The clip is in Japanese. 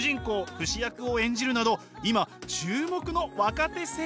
フシ役を演じるなど今注目の若手声優です。